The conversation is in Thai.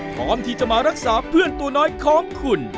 พร้อมที่จะมารักษาเพื่อนตัวน้อยของคุณ